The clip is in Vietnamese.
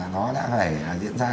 nó đã phải diễn ra